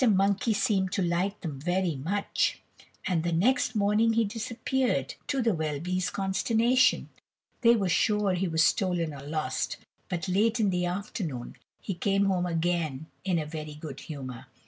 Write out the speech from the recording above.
Monkey seemed to like them very much, and the next morning be disappeared, to the Welbys' consternation. They were sure he was stolen or lost. But late in the afternoon he came home again in a very good humour.